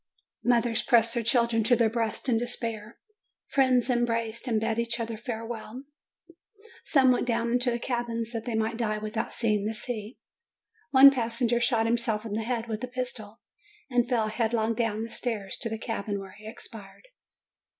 Mothers pressed their children to their breasts in despair. Friends embraced and bade each other farewell. Some went down into the cabins that they might die without seeing the sea. One passenger shot himself in the head with a pistol, and fell headlong down the stairs to the cabin, where he expired.